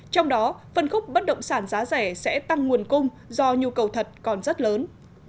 trong đó phân khúc bất động sản giá rẻ sẽ tăng nguồn cung do nhu cầu thật còn rất lớn